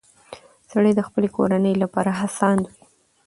سړی د خپلې کورنۍ لپاره هڅاند وي